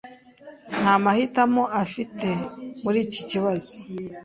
nta mahitamo afite muri iki kibazo.